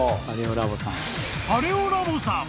［パレオ・ラボさん